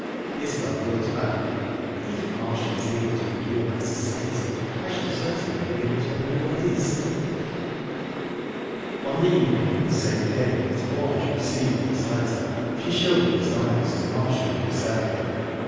Isbel wrote back: "...If Marshall is able to endure my society, I shall certainly be able to endure his..." On the evening of the same day that Blanche received this letter, she showed these lines to Marshall himself.